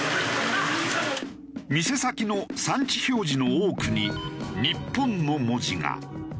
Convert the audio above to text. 店先の産地表示の多くに「日本」の文字が。